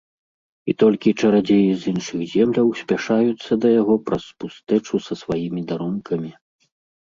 І толькі чарадзеі з іншых земляў спяшаюцца да яго праз пустэчу са сваімі дарункамі.